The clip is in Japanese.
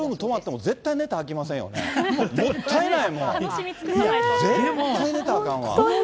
もったいない、もう。